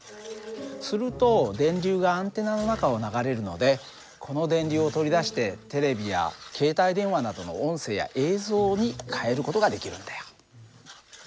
すると電流がアンテナの中を流れるのでこの電流を取り出してテレビや携帯電話などの音声や映像に変える事ができるんだよ。